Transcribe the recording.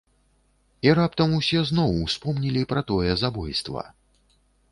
І раптам усе зноў успомнілі пра тое забойства.